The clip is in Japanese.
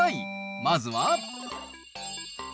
まずは。